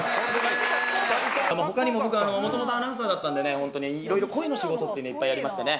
他にも僕もともとアナウンサーだったのでいろいろ声の仕事っていっぱいやりましてね。